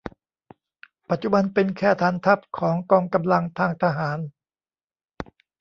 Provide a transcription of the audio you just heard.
ปัจจุบันเป็นแค่ฐานทัพของกองกำลังทางทหาร